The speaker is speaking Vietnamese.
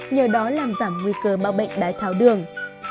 nhờ đó làm giảm nguy cơ mau bệnh đái tháo đường